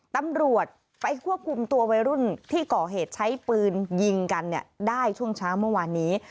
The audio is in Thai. ตำรวจไปควบคุมตัววัยรุ่นที่ก่อเหตุใช้ปืนยิงกันเนี่ยได้ช่วงเช้าเมื่อวานนี้